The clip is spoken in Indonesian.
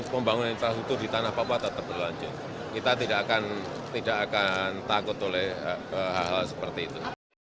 pembangunan infrastruktur di tanah papua tetap berlanjut kita tidak akan takut oleh hal hal seperti itu